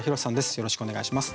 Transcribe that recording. よろしくお願いします。